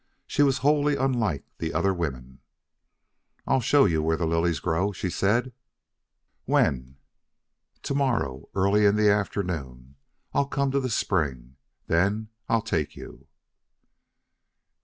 She was wholly unlike the other women. "I'll show you where the lilies grow," she said. "When?" "To morrow. Early in the afternoon I'll come to the spring. Then I'll take you."